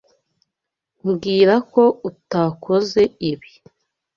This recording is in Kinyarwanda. Mbwira ko utakoze ibi.